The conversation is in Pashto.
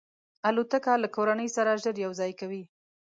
الوتکه له کورنۍ سره ژر یو ځای کوي.